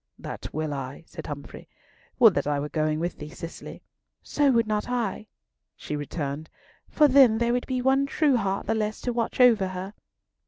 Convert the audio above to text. "That will I," said Humfrey. "Would that I were going with thee, Cicely!" "So would not I," she returned; "for then there would be one true heart the less to watch over her."